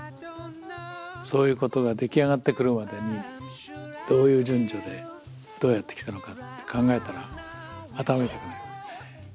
そういうことが出来上がってくるまでにどういう順序でどうやってきたのかって考えたら頭痛くなります。